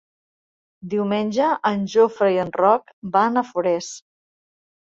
Diumenge en Jofre i en Roc van a Forès.